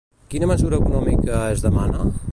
Quina mesura econòmica es demana?